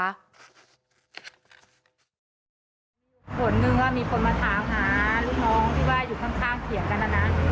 ผลหนึ่งว่ามีคนมาถามหาลูกน้องที่ว่าอยู่ข้างเถียงกันนะนะ